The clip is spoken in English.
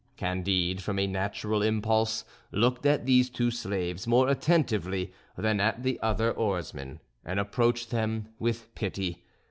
Candide, from a natural impulse, looked at these two slaves more attentively than at the other oarsmen, and approached them with pity.